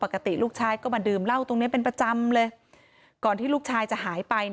ปกติลูกชายก็มาดื่มเหล้าตรงนี้เป็นประจำเลยก่อนที่ลูกชายจะหายไป